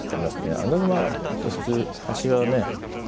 穴熊って普通端はね